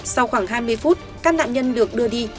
sau khoảng hai mươi phút các nạn nhân được đưa đi